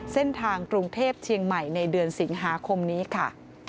เส้นทางกรุงเทพเชียงใหม่ในเดือนสิงหาคมนี้ค่ะ